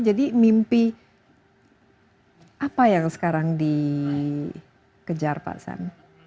jadi mimpi apa yang sekarang dikejar pak sam